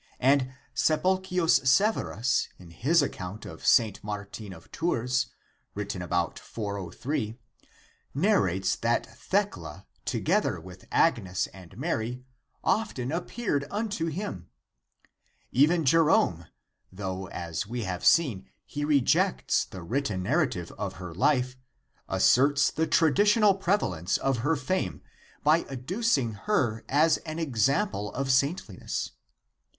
63, 34 Ad Vercellensem eccles.) ;^ and Sulpicius Severus in his account of St. Martin of Tours,^ written about 403 narrates that Thecla together with Agnes and Mary often appeared unto him. Even Jerome 1° though as we have seen he rejects the written narrative of her life, asserts the traditional prevalence of her fame by ad ducing her as an example of saintliness.